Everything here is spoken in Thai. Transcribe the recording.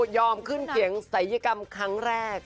ขึ้นเสียงศัยกรรมครั้งแรก